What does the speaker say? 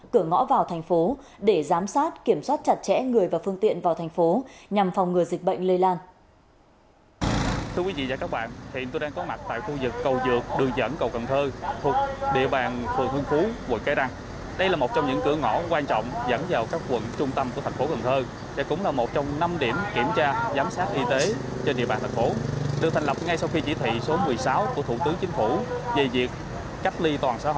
cửa ngõ vào thành phố để giám sát kiểm soát chặt chẽ người và phương tiện vào thành phố nhằm phòng ngừa dịch bệnh lây lan